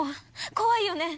怖いよね。